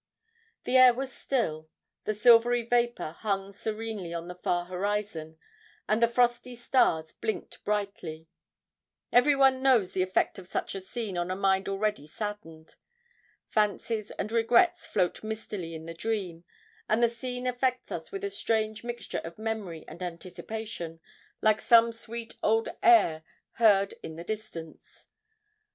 The air was still. The silvery vapour hung serenely on the far horizon, and the frosty stars blinked brightly. Everyone knows the effect of such a scene on a mind already saddened. Fancies and regrets float mistily in the dream, and the scene affects us with a strange mixture of memory and anticipation, like some sweet old air heard in the distance.